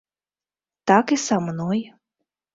Так і са мной.